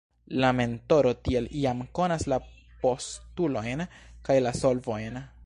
La mentoro tiel jam konas la postulojn kaj la solvojn.